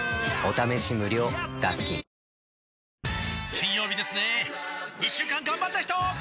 金曜日ですね一週間がんばった人！